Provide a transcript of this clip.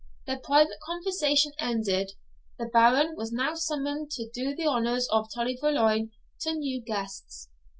Their private conversation ended, the Baron was now summoned to do the honours of Tully Veolan to new guests.